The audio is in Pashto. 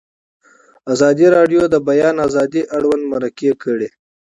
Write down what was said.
ازادي راډیو د د بیان آزادي اړوند مرکې کړي.